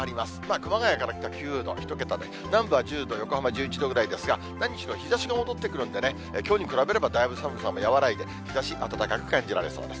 熊谷が９度、１桁で、南部は１０度、横浜は１１度くらいですから、何しろ日ざしが戻ってくるんでね、きょうに比べればだいぶ寒さ和らいで、日ざし暖かく感じられそうです。